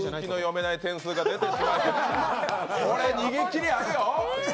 これ逃げきりあるよ。